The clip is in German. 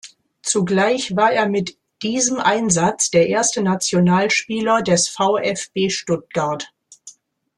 Zugleich war er mit diesem Einsatz der erste Nationalspieler des VfB Stuttgart.